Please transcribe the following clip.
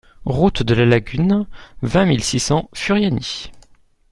Route de la Lagune, vingt mille six cents Furiani